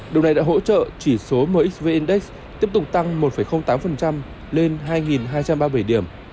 điều này đã hỗ trợ chỉ số mxv index tiếp tục tăng một tám lên hai hai trăm ba mươi bảy điểm